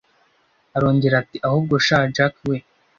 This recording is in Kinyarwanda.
arongera ati ahubwo sha jack we